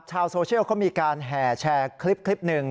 ชาวโซเชียลเขามีการแห่แชร์คลิปหนึ่ง